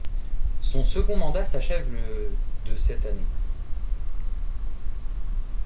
Son second mandat s'achève le de cette année.